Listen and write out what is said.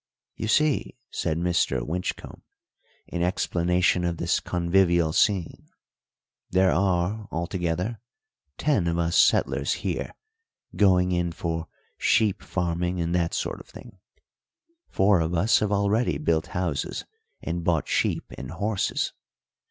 "You see," said Mr. Winchcombe, in explanation of this convivial scene, "there are, altogether, ten of us settlers here going in for sheep farming and that sort of thing. Four of us have already built houses and bought sheep and horses.